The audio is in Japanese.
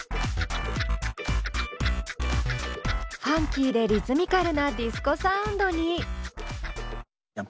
ファンキーでリズミカルなディスコサウンドに。